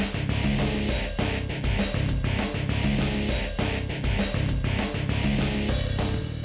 siap siap siap siap